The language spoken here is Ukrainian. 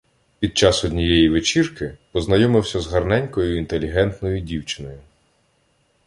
Під час однієї вечірки познайомився з гарненькою інтелігентною дівчиною.